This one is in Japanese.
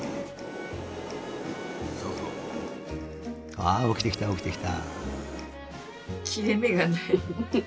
ああおきてきたおきてきた。